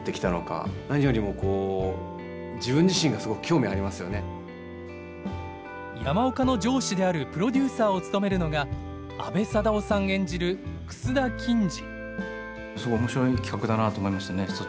演じるのは山岡の上司であるプロデューサーを務めるのが阿部サダヲさん演じる楠田欽治。